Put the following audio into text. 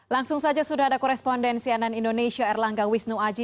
langsung saja sudah ada koresponden cnn indonesia erlangga wisnuwaji